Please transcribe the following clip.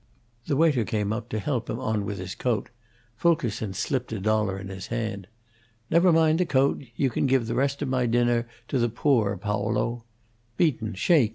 The waiter came up to help him on with his coat; Fulkerson slipped a dollar in his hand. "Never mind the coat; you can give the rest of my dinner to the poor, Paolo. Beaton, shake!